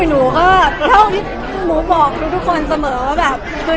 หนูก็เท่าที่หนูบอกทุกคนเสมอว่าแบบคือ